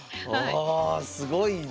あすごいね。